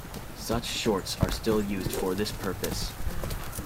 Such shorts are still used for this purpose.